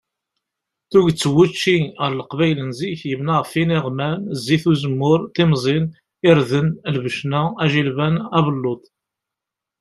Tuget n wučči ar leqbayel zik yebna ɣef iniɣman, zit uzemmur, timẓin, irden, lbecna, ajilban, abelluḍ.